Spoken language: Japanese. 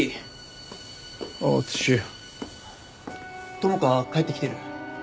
朋香帰ってきてる？